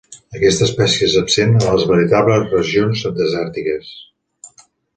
Aquesta espècie és absent a les veritables regions desèrtiques.